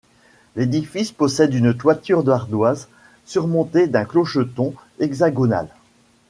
L'édifice possède une toiture d'ardoises surmontée d'un clocheton hexagonal.